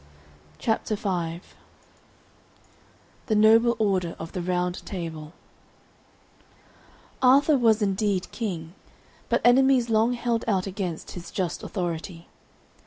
CHAPTER V THE NOBLE ORDER OF THE ROUND TABLE Arthur was indeed king, but enemies long held out against his just authority.